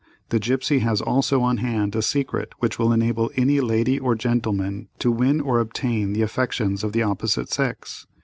The Gipsy has also on hand a secret which will enable any lady or gentleman to win or obtain the affections of the opposite sex.